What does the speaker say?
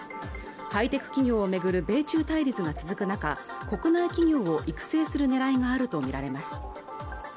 ハイテク企業をめぐる米中対立が続く中国内企業を育成する狙いがあると見られます